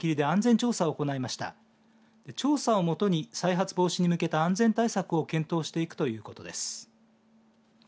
調査をもとに再発防止に向けた安全対策を検討していくということです。